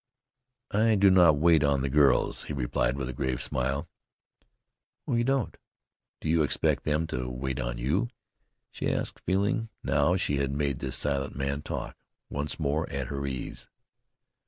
"I do not wait on the girls," he replied with a grave smile. "Oh, you don't? Do you expect them to wait on you?" she asked, feeling, now she had made this silent man talk, once more at her ease.